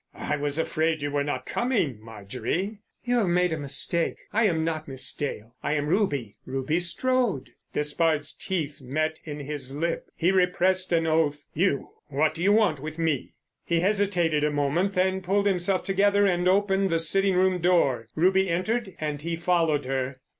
"I was afraid you were not coming, Marjorie——" "You have made a mistake. I am not Miss Dale. I am Ruby—Ruby Strode." Despard's teeth met in his lip. He repressed an oath. "You—what do you want with me?" He hesitated a moment, then pulled himself together and opened the sitting room door. Ruby entered and he followed her.